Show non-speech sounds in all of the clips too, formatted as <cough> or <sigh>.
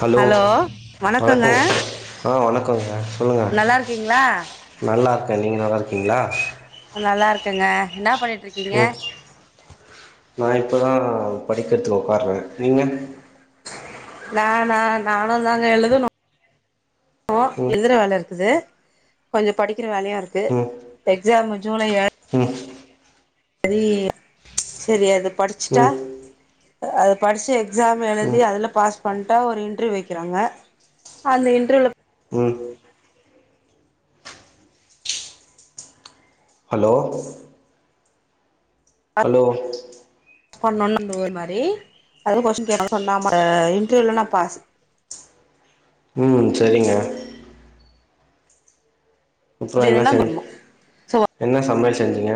Hello வணக்கங்க வணக்கம் ஆ வணக்கங்க சொல்லுங்க நல்லா இருக்கீங்களா நல்லாயிருக்கே நீங்க நல்லாயிருக்கீங்களா ங்க என்ன பண்ணிட் ம் நா இப்பதா படிக்கர்த்துக் ஒக்காறே நீங்க நானா நானு தாங்க எழுதனு னு ம் எழுதர வேலருக்குது. கொஞ்சொ படிக்கிற வேலயு இருக்கு ம் எக்ஸாம் ஜூலை ம் சரி சரி அது படிச்சிட்டா ம் அத படிச்சு எக்ஸாம் எழுதி ம் அதுல பாஸ் பண்ட்டா ஒரு இன்டர்வியூ வெக்கறாங்க. அந்த இண்டர்வியூ ம் ஹலோ ஹலோ பண்ணால் ந்து ஒர் மாரி அதேல்ல கொஸின் கே அது சொன்னா இன்டர்வியூல நா பாஸ். <inaudible> ம் சரிங்க. அப்டி அப்புறன்னா இல்லனா சரி பண்ணு சோ என்ன சமயல் செஞ்சிங்க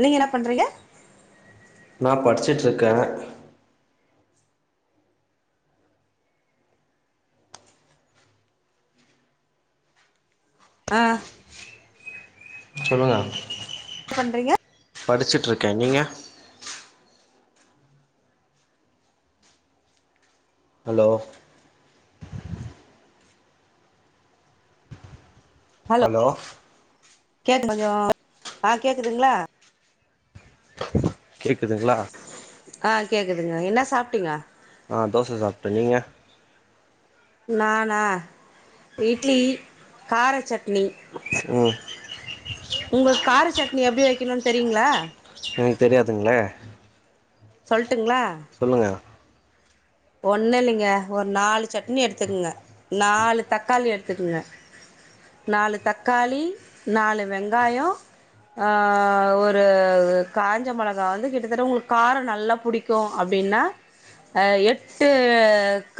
நீங்க என்ன பண்றீங்க நா படிச்சுட்ருக்கே அ சொல்லுங்க என்ன பண்றீங்க படிச்சிட்ருக்கே நீங்க ஹலோ ஹலோ கேக்கு <inaudible> ஆ கேக்குதுங்களா கேக்குதுங்களா அ கேக்குதுங்க என்னா சாப்ட்டிங்க ஆ தோச சாப்டே நீங்க நானா இட்லி கார சட்னி ம் உங்களுக் கார சட்னி எப்டி வைக்கணுனு தெரியுங்களா எனக்கு தெரியாதுங்களே சொல்ட்டுங்களா சொல்லுங்கள் ஒண்ணு இல்லங்க ஒரு நாலு சட்னி எடுத்துக்குங்க நாலு தக்காளி எடுத்துக்குங்க நாலு தக்காளி நாலு வெங்காய ஆ ஒரு காஞ்ச மிளகா வந்து கிட்டதட்ட உங்களுக்கார நல்லா புடிக்கு அப் டின்னா எட் டு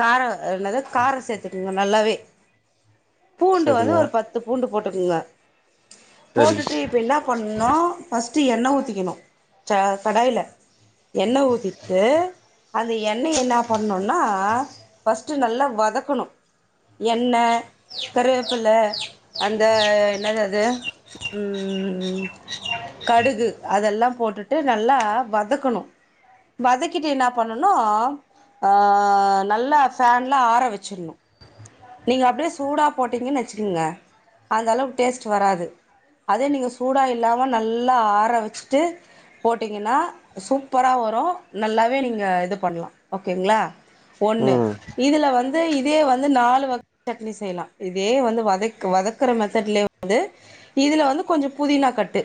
கார என்னது கார சேத்துக்குங்க நல்லாவே பூண்டு வந்து சரிங்க ஒரு பத்து பூண்டு போட்டுக்குங்க சரி போட்டுட்டு இப்ப என்ன பண்ணோ ஃபஸ்ட் எண்ணெ ஊத்திக்கணு கடாயில எண்ண ஊத்திட்டு அந்த எண்ணெய் என்ன பண்ணுனா பஸ்ட் நல்லா வதக்கணு எண்ண கருவேப்புல அந்த என்னது அது ம் கடுகு அதெல்லா போட்டுட்டு நல்லா வதக்கணு வதக்கிட்டு என்னா பண்ணணு ஆ நல்லா ஃபேன்ல ஆற வச்சர்ணு நீங்க அப்டியே சூடா போட்டீங்கன்னு வச்சுக்குங்க அந்த அளவுக் டேஸ்ட் வராது அதே நீங்க சூடா இல்லாம நல்லா ஆற வச்சுட்டு போட்டீங்கென்னா சூப்பரா வரு நல்லாவே நீங்க இது பண்லா ஓகேங்ளா ஒண்ணு ம் இதுல வந்து இதே வந்து நாலு க்கு டக்னு செய்யலா இதே வந்து வதெக் வதக்கற மெத்தட்ல வந்து இதுல வந்து கொஞ்சொ பு தினாகட்டு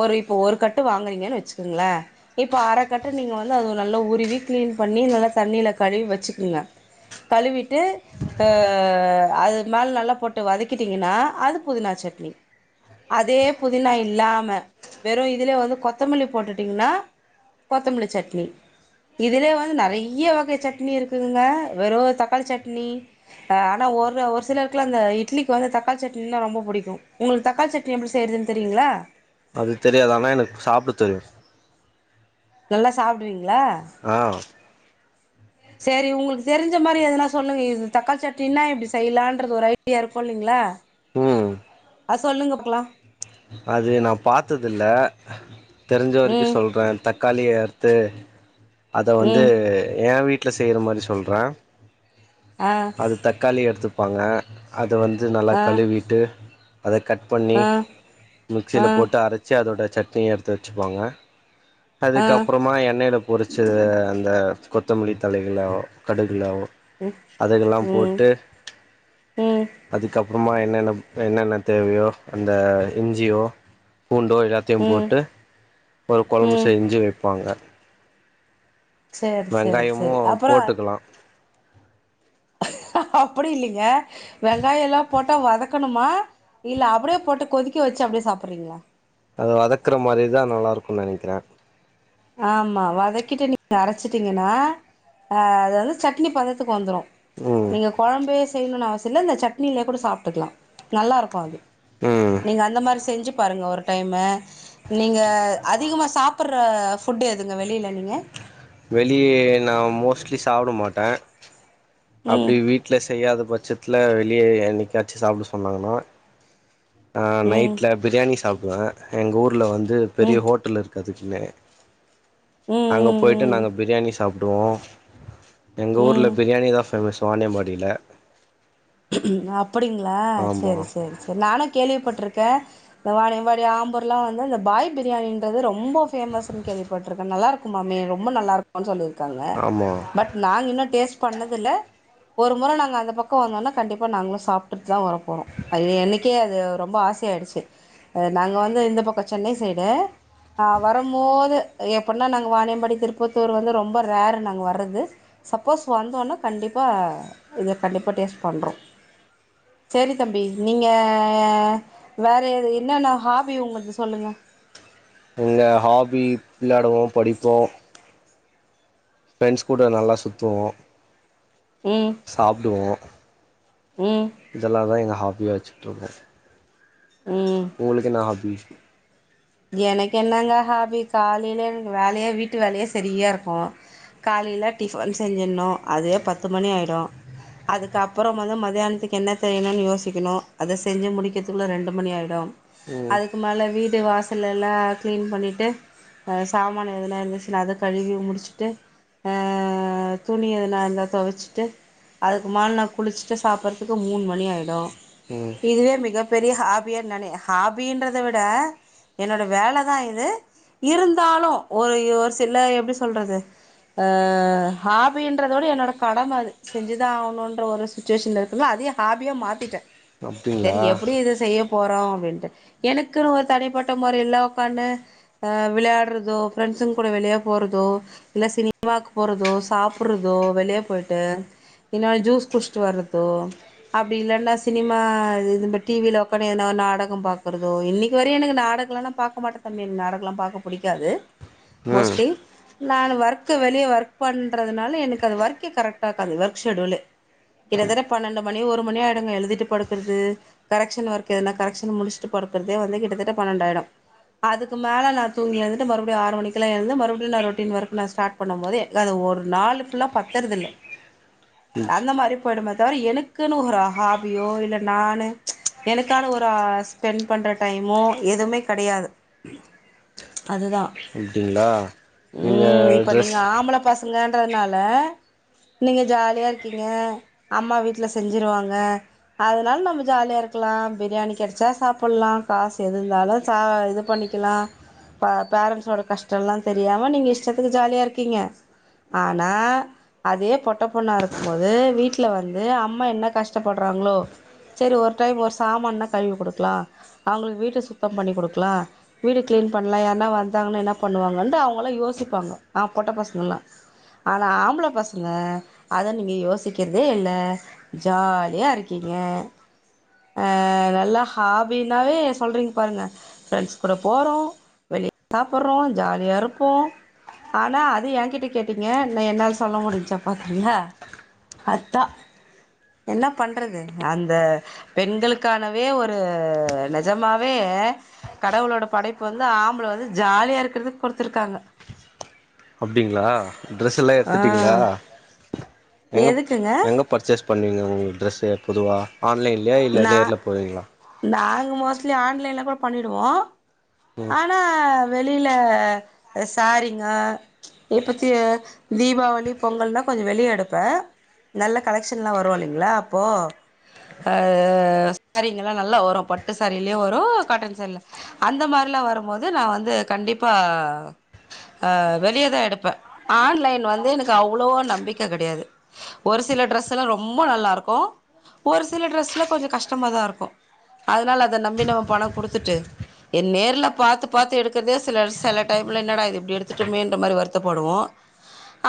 ஒரு இப்போ ஒரு கட்டு வாங்கறீங்கன்னு வெச்சுக்கொங்ளே இப்போ அரகட்டு நீங்க வந்து அத ஒன் நல்லா உருவி கிளீன் ப ண்ணி நல்லா தண்ணில கழுவி வெச்சுக்குங்க கழுவிட்டு அ அ அது மேல நல்லா போட்டு வதக்கிட்டீங்கன்னா அது புதினா சட்னி அதே புதினா இல்லாம வெறு இதுலே வந்து கொத்தமல்லி போட்டுடீங்கனா கொத்தமல்லி சட்னி இதுலயே வந்து நெறயா வகை சட்னி இருக்குதுங்க வெறு தக்காளி சட்னி அ ஆனா ஒர்ரு ஒரு சிலருக்கெல்லா அந்த இட்லிகு வந்து தக்காளி சட்னினா ரொம்ப புடிக்கு உங்களுக்கு தக்காளி சட்னி எப்டி செய் யறது தெரியுங்ளா அது தெரியாது ஆனா எனக்கு சாப்ட தெரியு நல்லா சாப்புடுவீங்ளா ஆ சேரி உங்குளுக்கு தெரிஞ்ச மாரி எதனா சொல்லுங்க இது தக்காளி சட்டினா இப்டி செய்யலான்றது ஒரு ஐடியா இருக்கு இல்லிங்ளா ம் அ சொல்லுங்க பாக்ளா அது நா பாத்ததுதில்ல தெரிஞ்ச வரைக்கு ம் சொல்ற தக்காளிய தே அத வந்து ம் எ வீட்ல செய்ற மாரி சொல்றே ஆ அது தக்காளி எடுத்துப்பாங்க அத வந்து நல்லா ஆ கழுவிட்டு அத கட் பண்ணி ஆ மிக்ஸில ஆ போட்டு அரச்சு அ தோட சட்னி எடுத்து வெச்சுப்பாங்க ஆ அதுக்கப்பறமா எண்ணெய்ல பொரி ச்சத அந்த கொத்தமல்லி தலைகள கடுகளாவோ அதுக்கெல்லா ம் போட்டு ம் அதுக்கப் அப்புறமா என்னென்ன என்னென்ன தேவயோ அந்த இன்ஜியோ பூண்டோ எல்லாத்தயு ம் போட்டு ஒரு கொழம்பு ம் செஞ்சு வெப்பாங்க சேரி சேரி வெங்காயமு சேரி அப்புறோ போட்டுக்கலா அப்டி இல்லைங்க வெங்காயோ எல்லா போட்டா வத க்கணுமா இல்ல அப்டியே போட்டு கொதிக்க வெச்சு அப்டியே சாப்புடுறீங்ளா அது வதக்கற மாரிதா நல்லா இருக்குன்னு நெனக்கிற ஆமா வதக்கிட்டு நீங்க அரச்சிட்டீங்கனா ஆ அது வந்து சட்னி பதத்துக்கு வந்துரு ம் நீங்க கொழம்பே செய்யணுனு அவசியோ இல்ல இந்த சட்னில கூட சாப்டுக்கலா நல்லா இருக்கு அது ம் நீங்க அந்த மாரி செஞ்சு பாருங்க ஒரு டைமு நீங்க அதிகமா சாப்பற ஃபுட்டு எதுங்க வெளில நீங்க வெளியே நா மோஸ்ட்லி சாப்ட மாட்ட அப்டி ம் வீட்ல செய்யாத பட்சத்ல வெளிய என்னிக்காச்சு சாப்ட சொன்னாங்கன்னா ஆ ம் நைட்ல பிரியாணி சாப்டுவ எங்க ஊர்ல வந்து பெரிய ம் ஹோட்டல் இரு கதுக்குனே அங்க போயிட்டு ம் ம் நாங்க பிரியாணி சாப்டுவோ எங்க ம் ஊர்ல ம் பிரியாணிதா ஃபேமஸ் வானியம்பாடில அப்டிங்ளா சேரி சேரி சேரி நானு கேள்விப்பட்டிருக்க இந்த வானியம்பாடி ஆம்பூர்லா வந்தா இந்த பாய் பிரியாணின்றது ரொம்ப ஃபேமஸ்னு கேள்விப்பட்டிருக்க நல்லா இருக்குமாமே ரொம்ப நல்லா இருக்குனு சொல்லிரு க்காங்க ஆமா பட் நாங் இன்னு டேஸ்ட் பண்ணதில்ல ஒரு முற நாங்க அந்த பக்கோ வந்தோனா கண்டிப்பா நாங்களு சாப்டுட்டுதா வர போறோ அது என்னைக்கே அது ரொம்ப ஆச ஆயிடுச்சு அ நாங்க வந்து இந்த பக்கோ சென்னை சைடு ஆ வரம்போது எப்பனா நாங்க வானியம்பாடி திருப்பத்தூர் வந்து ரொம்ப ரேர் நாங்க வர்றது சப்போஸ் வந்தோன்ன கண்டிப் பா இத கண்டிப்பா டேஸ்ட் பண்றோ சேரி தம்பி நீங்க வேற எ என்னென்ன ஹாபி உங்ள்து சொல்லுங்க எங்க ஹாபி விளயாடுவோ படிப்போ பிரண்ஸ் கூட நல்லா சுத்துவோ ம் சாப்டுவோ ம் இதெல்லா தா எங்க ஹாபிய வச்சிட்ருக்கோ ம் உங்களுகு என்ன ஹாபி எனக்கு என்னங்க ஹாபி காலிலே வேலயே வீட்டு வேலயே சரியா இருக்கூ காலையில டிஃபன் செஞ்சினு அதே பத்து மணி ஆயிடு அதுக்கப்புறம் வந்து மத்தியானத்துக்கு என்ன செயணும்னு யோசிக்கணு அத செஞ்சு முடிக்கிறதுக்குள்ள ரெண்டு மணி ஆகிடு ம் அதுக்கு மேல வீடு வாச சில எல்லா க்ளீன் பண்ணிவிட்டு ஆ சாமான எதனா இருந்துச்சுன அத கழுவி முடிச்சுட்டு அ துணி எதுனா இருந்தா தொவச்சிட்டு அதுக்கு மே நா குளிச்சுட்டு சாப்பறதுக்கு மூணு மணி ஆய்டு ம் இதுவே மிகப்பெரிய ஹாபியா நானே ஹாபின்றத விட என்னோட வேலைதா இது இருந்தாலு ஒரு ஒரு சில எப்படி சொல்றது அ ஹாபின்றத விட என்னோட கடம அது செஞ்சுதா ஆகணும்ன்ற ஒரு சுச்சுவேஷன்ல இருக்கும்ல அது ஹாபியா மாத்திட்டே அப்டிங்களா சரி எப்படி இத செய்யப் போறோ அப்படின்ட்டு எனக்குன்னு ஒரு தனிப்பட் ட மாரில்லா உக்கான்டு விளையாடுறதோ பிரண்ஸ்சுங் கூட வெளிய போறதோ இல்ல சினி மாக்கு போறதோ சாப்புருதோ வெளியே போயிட்டு என்னால ஜூஸ் குடிச்சட்டு வர்றதோ அப்படி இல்லைன்னா சினிமா இது டி வியில உக்கா ஏன நாடகம் பாக்குறதோ இன்னைக்கு வரையு எனக்கு நாடக ல்லா பாக்க மாட்டே தம்பி நாடகெல்லா பாக்க பிடிக்காது ம் மோஸ்ட்லி நானு ஒர்க்கு வெளியே ஒர்க் பண்றதுனால எனக்கு அது ஒர்க் கே கரெக்டாக்குது வர்க் ஷெட்யூலே கிட்டத்தட்ட பன்னெண்டு மணி ஒரு மணியாடுங்க எழுதிட்டு படுக்கிறது கரெக்ஷன் ஒர்க் எதுனா கரெஷன் முடிச்சுட்டு படு இருக்கிறதே வந்து கிட்டத்தட்ட பன்னெண்டாயிடு அதுக்கு மேல நா தூங்கிழுந்து மறுபடியு ஆறு மணிக்குலா எழுந்து மறுபடியு நா ரொட்டீன் ஒர்க் நான்ஸார்ட் பண்ண போதே அது ஓ ஒரு நாலு புல்லா பத்தறதுல்ல ம் அந்த மாரி போய்டுமே தவிர எனக்குன்னு ஒரு ஹாபியோ இல்ல நானு எனக்கான ஒரு அ ஸ்பெண்ட் பண்ற டைமோ எதுமே கெடையாது அதுதா அப்டிங்களா நீங்க ம் இப்ப ட்ரெஸ் நீங்க ஆம்பள பசங்கன்றனால நீங்க ஜாலியா இருக்கீங்க அம்மா வீட்ல செஞ்சிருவாங்க அதனால நம்ம ஜாலியா இருக்க பக்கலா பிரியாணி கடைச்சா சாப்பிடலா காசு எது இருந்தாலு சா இது பண்ணிக்கலா பா பேரண்ஸோட கஷ்டல்லா தெரியாம நீங்க இஷ்டத்துக்கு ஜாலியா இருக்கீங்க ஆனா அதே பொட்ட பொண்ணா இருக்கும்போது வீட்டல வந்து அம்மா என்ன கஷ்டப்படுறா ங்களோ சரி ஒரு டைம் ஒரு சாமான்னா கழுவி குடுக்கலா அவங்களுக்கு வீட்டு சுத் தம் பண்ணி குடுக்கலா வீடு கிளீன் பண்ணலா யார்னா வந்தாங்கன்ன என்ன பண்ணுவாங்க அவங்கள யோசிப்பாங்க நா பா பொட்ட பசங்களலா ஆனா ஆம்பளை பசங்க அத நீங்க யோசிக்கிறதே இல்ல ஜாலியா இருக்கீங் ங்க ஆ நல்லா ஹாபினாவே சொல்றீங் க பாருங்க ரெண்ட்ஸ் கூட போறோ வெளிய சாப்பறோ ஜாலியா இருப்போ ஆனா அது எங்கிட்ட கேட்டீங்க ந என்னால சொல்ல முடிஞ்சா பாத்தீங்களா அத்தா என்னா பண்றது அந்த பெண்களுக்கானவே ஒரு நெஜமா வே கடவுளோட படைப்பு வந்து ஆம்பள வந்து ஜாலியா இருக்கிறதுக்கு குடுத்துருக்காங்க அப்டிங்களா டரெஸ்ல்லா ஆ எடுத்துட்டீங்களா எங்கப் எதுக்குங்க எங்க பர்ச்சேஸ் பண்ணுவீங்க உங்க ட்ரெஸ்சு பொதுவா ஆன்லைன்லையா இல்லை நா நேர்ல போவீங்களா நாங்க மோஸ்ட்லி ஆன்லைன்ல கூட பண்ணிடுவோ ஆனா வெளியில சாரிங்கோ எப்பத்தி தீபாவளி பொங்கல்னா கொஞ்ச வெளிய எடுப்பே நல்ல கலெக்ஷன்ல்லா வரு இல்லீங்ளா அப்போ அ சாரீங்கல்லா நல்லா வரு பட்டு சேரீலியு வரு காட்டன் சேரீல அந்த மாரில்லா வரு ம்போது நா வந்து கண்டிப்பா ஆ வெளிய தா எடுப்பே ஆன்லைன்ல் வந்து எனக் அவ்ளோவா நம்பிக்க கெடயாது ஒ ரு சில ட்ரஸ் எல்லா ரொம்ப நல்லாருக்கு ஒரு சில ட்ரஸ்ல்லா கொஞ்சோ கஷ்டமா தா இருக்கு அதுனால அத நம்பி நம்ம பணோ குடுத்துட்டு எ நேர்ல பாத்து பாத்து எடுக்கறதே சில செல டைம்ல என்னடா இது இப்டி எடுத்துட்டமேன்ற மாரி வருத்தப்படுவோ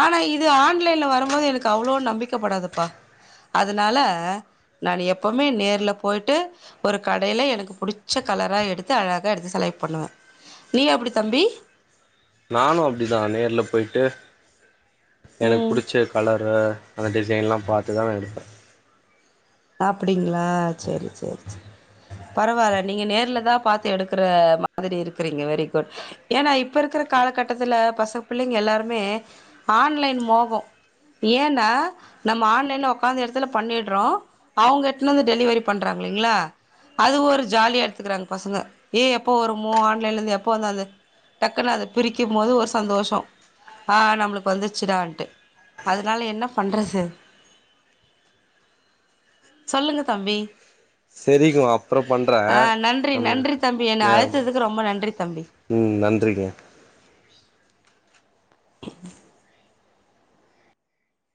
ஆனா இது ஆன்லைன்ல வரும்போது எனக்கு அவ்ளோ நம்பிக்கப்படாதுப்பா அதுனால நானு எப்பவ்மே நேர்ல போய்ட்டு ஒரு கடைல எனக்கு புடிச்ச கலரா எடுத்து அழகா எடுத்து செலக்ட் பண்ணுவே நீ அப்டி தம்பி நானு அப்டிதா நேர்ல போய்ட்டு எனக் ம் புடிச்ச கலரு அந்த டிசைன்லா பாத்து தா நா எடுப்பே அப்டிங்களா சேரி சேரி சேரி பரவால்ல நீங்க நேர்ல தா பாத்து எடுக்கற மாதிரி இருக்கறீங்க வெரி குட் ஏனா இப்ப இருக்கற காலகட்டத்துல பச பிள்ளைங்க எல்லாருமே ஆன்லைன் மோகோ ஏனா நம்ம ஆன்லைன்ல ஒக்காந்த எடத்துல பண்ணிட்றோ அவுங்க எத்துனு வந்து டெலிவரி பண்றாங் இல்லீங்களா அது ஒரு ஜாலியா எட்த்துக்கிறாங் பசங்க ஏ எப்போ வருமோ ஆன்லைன்லர்ந்து எப்ப வந்து அது டக்குன்னு அத பிரிக்கும் போது ஒரு சந்தோஷோ ஆ நம்ளுக்கு வந்துர்ச்சுடான்ட்டு அதுனால என்ன பண்றது சொல்லுங்க தம்பி செரிங்க அப்றோ பண்றே ஆ நன்றி நம்ம நன்றி தம்பி என்ன நேரம் அழைத்ததுக்கு ரொம்ப நன்றி தம்பி ம் நன்றிங்க